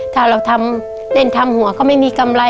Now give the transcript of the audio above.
ถ้าเราทำเล่นทำหัวก็ไม่มีกำไร